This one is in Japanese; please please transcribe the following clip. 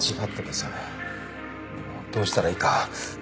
でもどうしたらいいか。